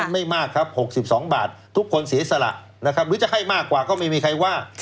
ไม่มากครับ๖๒บาททุกคนเสียสละนะครับหรือจะให้มากกว่าก็ไม่มีใครว่า